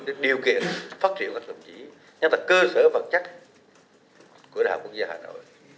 để điều kiện phát triển các đồng chí nhân tật cơ sở vật chất của đại học quốc gia hà nội